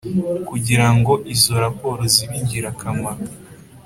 kugira ngo izo raporo zibe ingirakamaro